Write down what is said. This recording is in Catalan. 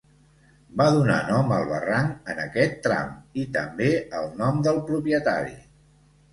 Van donar nom al barranc en aquest tram, i també el nom del propietari.